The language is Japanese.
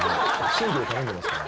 新規で頼んでますから。